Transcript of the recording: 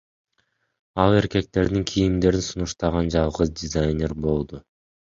Ал эркектердин кийимдерин сунуштаган жалгыз дизайнер болду.